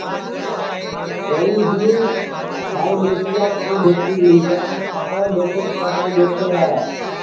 توہی بھی ٻائی ٻیٹیا کی ٻیٹی لی کن اپٹؔے ٻیٹیس پرنائی دؔیتے ہے